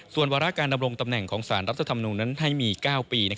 ส่วนวาระการดำรงตำแหน่งของสารรัฐธรรมนุนนั้นให้มี๙ปี